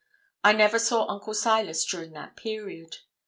I never saw Uncle Silas during that period.